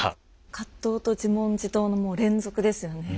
葛藤と自問自答のもう連続ですよね。